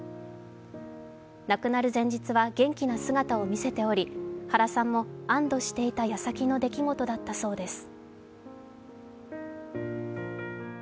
亡くなる前日は元気な姿を見せており、原さんも安堵していた矢先の出来事だったそうです。